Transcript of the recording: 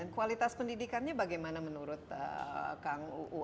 kualitas pendidikannya bagaimana menurut kang uu